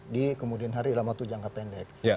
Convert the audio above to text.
di kemudian hari lama itu jangka pendek